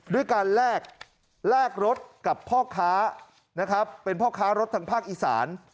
ด้วยการแลกรถกับพ่อค้านะครับเป็นพ่อค้ารถทางภาคอีสาน